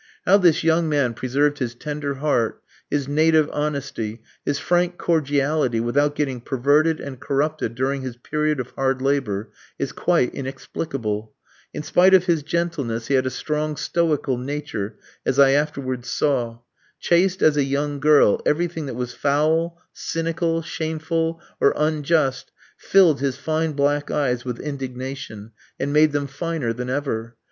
How this young man preserved his tender heart, his native honesty, his frank cordiality without getting perverted and corrupted during his period of hard labour, is quite inexplicable. In spite of his gentleness, he had a strong stoical nature, as I afterwards saw. Chaste as a young girl, everything that was foul, cynical, shameful, or unjust filled his fine black eyes with indignation, and made them finer than ever.